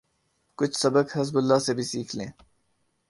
کچھ سبق حزب اللہ سے بھی سیکھ لیں۔